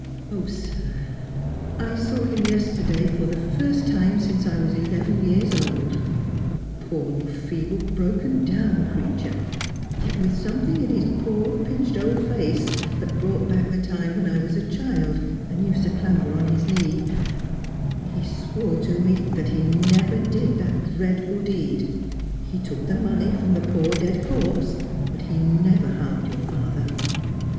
Oh, sir, I saw him yesterday for the first time since I was eleven years old — a poor, feeble, broken down creature — yet with something in his poor, pinched old face that brought back the time when I was a child, and used to clamber on his knees. He swore to me that he never did that dreadful deed. He took the money from the poor dead corpse, but he never harmed your father.'